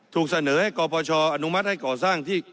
ถูกเสนอให้กปชอนุมัติให้ก่อสร้างที่